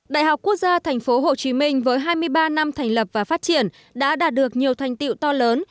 đại học quốc gia tp hcm với hai mươi ba năm thành lập và phát triển đã đạt được nhiều thành tiệu to lớn